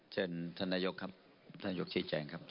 เชิญธนายกครับธนายกชีวิตแจงครับ